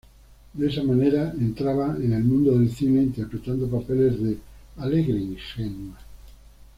De esa manera entraba en el mundo del cine interpretando papeles de „alegre ingenua“.